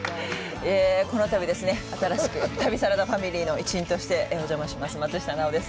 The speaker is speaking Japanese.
このたびですね、新しく旅サラダファミリーの一員としてお邪魔します松下奈緒です。